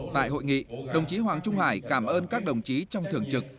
tại hội nghị đồng chí hoàng trung hải cảm ơn các đồng chí trong thưởng trực